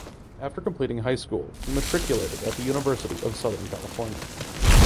After completing high school he matriculated at the University of Southern California.